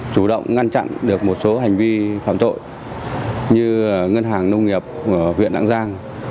chủ động ngăn chặn được một số hành vi phạm tội như ngân hàng nông nghiệp huyện lạng giang